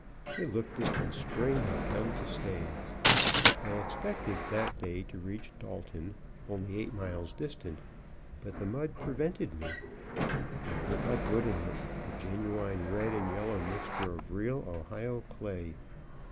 It looked as though spring had come to stay. I expected that day to reach Dalton, only eight miles distant, but the mud prevented me. I put my foot in it the genuine red and yellow mixture of real Ohio clay.